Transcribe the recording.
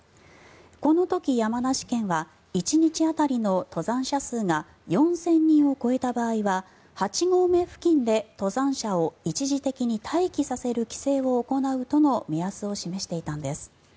この時、山梨県は１日当たりの登山者数が４０００人を超えた場合は８合目付近で登山者を一時的に待機させる規制を行うとの目安を示していたんです。